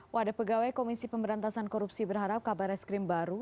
wadah pegawai komisi pemberantasan korupsi berharap kabar reskrim baru